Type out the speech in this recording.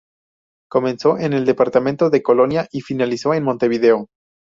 Comenzó en el departamento de Colonia y finalizó en Montevideo.